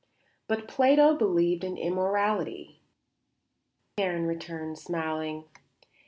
"But Plato believed in immortality," Karen returned, smiling.